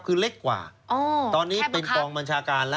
คือเล็กกว่าตอนนี้เป็นกองบัญชาการแล้ว